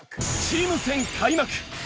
チーム戦開幕！